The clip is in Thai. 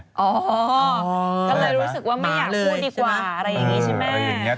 ก็เลยรู้สึกว่าไม่อยากพูดดีกว่า